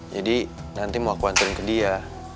jadi nanti mau aku anturin ke dia